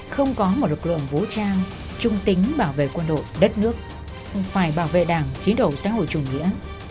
không có một lực lượng vũ trang trung tính bảo vệ quân đội đất nước phải bảo vệ đảng chế độ xã hội chủ nghĩa